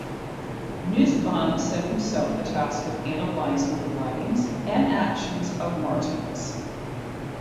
Nussbaum set himself the task of analysing the 'writings and actions' of Martens.